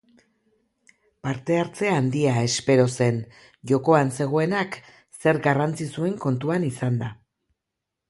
Parte hartze handia espero zen, jokoan zegoenak zer garrantzi zuen kontuan izanda.